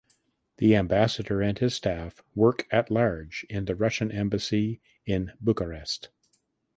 The ambassador and his staff work at large in the Russian embassy in Bucharest.